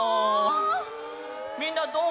みんなどう？